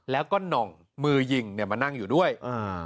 แล้วก็หน่องมือยิงเนี่ยมานั่งอยู่ด้วยอ่า